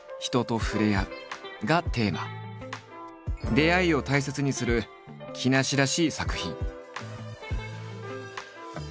出会いを大切にする木梨らしい作品。